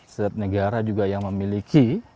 setiap negara juga yang memiliki